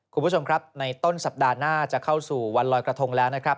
คุณผู้ชมครับในต้นสัปดาห์หน้าจะเข้าสู่วันลอยกระทงแล้วนะครับ